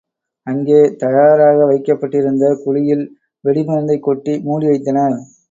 அங்கே தயாராக வைக்கப்பட்டிருந்த குழியில் வெடிமருந்தைக் கொட்டி மூடிவைத்தனர்.